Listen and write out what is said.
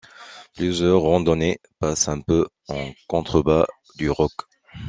Plusieurs randonnées passent un peu en contrebas du roc.